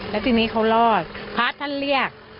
แล้วทีนี้เขารอดพระท่านเรียก